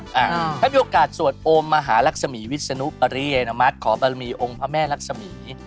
สบายถ้ามีโอกาสสวดโอมมหารักษมีธ์วิทยาธิวิริยานามัสนะครับ